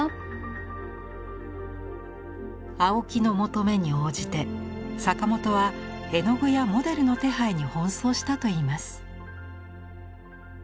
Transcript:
青木の求めに応じて坂本は絵の具やモデルの手配に奔走したといいます。